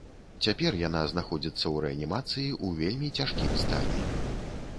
Цяпер яна знаходзіцца ў рэанімацыі ў вельмі цяжкім стане.